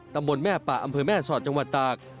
ตำบลแม่ปะอำเภอแม่สอดจังหวัดตาก